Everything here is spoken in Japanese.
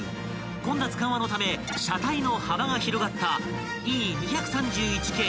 ［混雑緩和のため車体の幅が広がった］